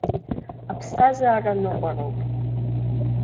Аԥсҭазаара ныҟәароуп.